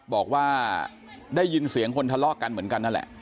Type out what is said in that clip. บอกว่าได้ยินเสียงคนทะเลาะกันเหมือนกันนั่นแหละ